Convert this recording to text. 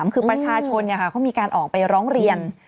คือประชาชนเขามีการออกไปร้องเรียน